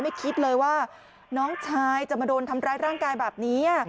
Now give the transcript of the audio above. คิดเลยว่าน้องชายจะมาโดนทำร้ายร่างกายแบบนี้